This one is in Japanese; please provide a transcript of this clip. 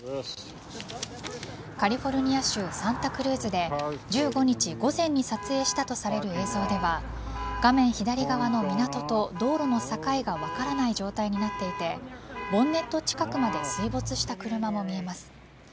カリフォルニア州サンタクルーズで１５日午前に撮影したとされる映像では画面左側の港と道路の境が分からない状態になっていてボンネット近くまで水没した車も見えます。